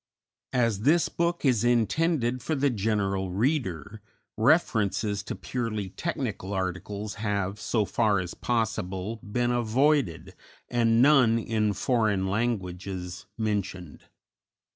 As this book is intended for the general reader, references to purely technical articles have, so far as possible, been avoided, and none in foreign languages mentioned.